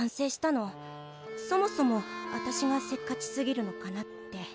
そもそも私がせっかちすぎるのかなって。